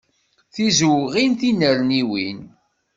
Tizewɣin, tinerniwin.